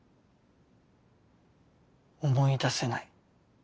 思い出せない。